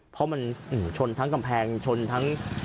เพราะมันชนทั้งกำแพงชนทั้ง